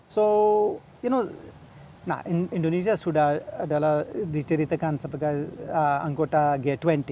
so indonesia sudah diteritakan sebagai anggota g dua puluh